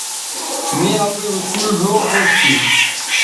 می اپئیں اسکول ڙھؤ خوش تھی